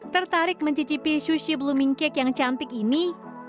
tertarik mencicipi sushi blooming cake yang cantik ini